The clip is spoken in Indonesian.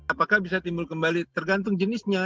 apakah bisa timbul kembali tergantung jenisnya